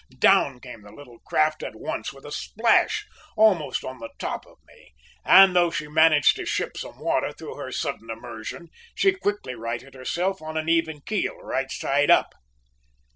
"Down came the little craft at once with a splash, almost on the top of me; and though she managed to ship some water through her sudden immersion, she quickly righted herself on an even keel, right side up."